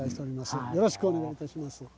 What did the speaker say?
よろしくお願いします。